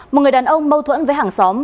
một người đàn ông mâu thuẫn với hàng xóm